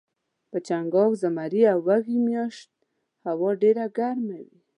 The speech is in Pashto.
په چنګاښ ، زمري او وږي میاشت هوا ډیره ګرمه وي